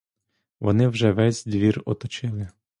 Вони вже весь двір оточили.